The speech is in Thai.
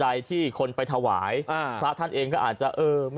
อันนี้ถูก๗๐เลย